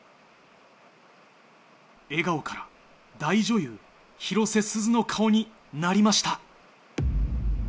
笑顔から大女優広瀬すずの顔になりました。